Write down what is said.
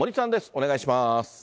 お願いします。